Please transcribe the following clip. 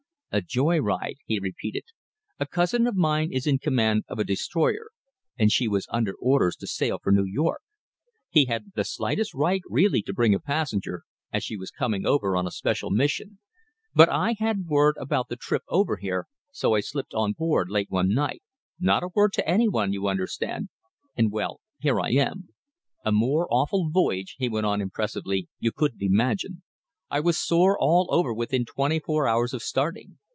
"A joy ride," he repeated. "A cousin of mine is in command of a destroyer, and she was under orders to sail for New York. He hadn't the slightest right, really, to bring a passenger, as she was coming over on a special mission, but I had word about the trip over here, so I slipped on board late one night not a word to any one, you understand and well, here I am. A more awful voyage," he went on impressively, "you couldn't imagine. I was sore all over within twenty four hours of starting.